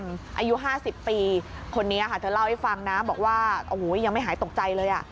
อายุ๕๐ปีคนนี้ค่ะเธอเล่าให้ฟังนะบอกว่าโอ้โหยังไม่หายตกใจเลย